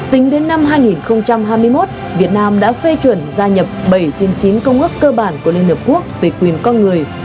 tính đến năm hai nghìn hai mươi một việt nam đã phê chuẩn gia nhập bảy trên chín công ước cơ bản của liên hợp quốc về quyền con người